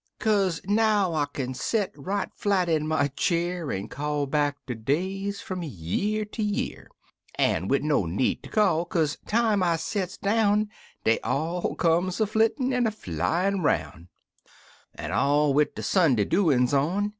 Kaze now I kin set right flat in my cheer. An' call back de days fum year ter year — An' wid no need ter call, kaze, time I sets down, Dey all conies a flittin' an' a flyin' 'roun', An' all wid der Sunday doin's on.